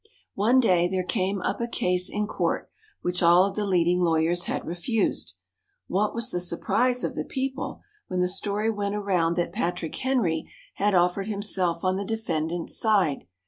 One day there came up a case in court which all of the leading lawyers had refused. What was the surprise of the people, when the story went around that Patrick Henry had offered himself on the defendants' side.